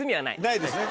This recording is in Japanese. ないですね。